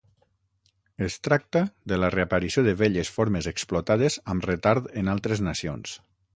Es tracta de la reaparició de velles formes explotades amb retard en altres nacions.